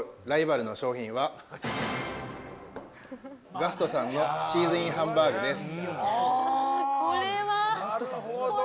ガストさんのチーズＩＮハンバーグです。